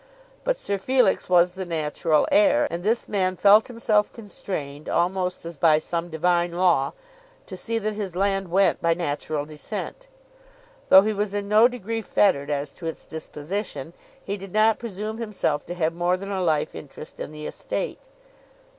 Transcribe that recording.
But Sir Felix was the natural heir, and this man felt himself constrained, almost as by some divine law, to see that his land went by natural descent. Though he was in no degree fettered as to its disposition, he did not presume himself to have more than a life interest in the estate.